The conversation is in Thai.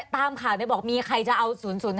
ตามข่าวนี้บอกมีใครจะเอา